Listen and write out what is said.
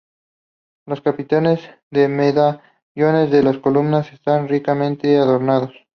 Los capiteles y medallones de las columnas están ricamente adornados.